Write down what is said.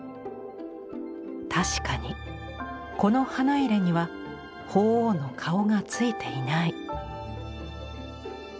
確かにこの花入には鳳凰の顔がついていない。